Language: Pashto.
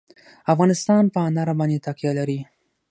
افغانستان په انار باندې تکیه لري.